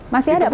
masih ada pak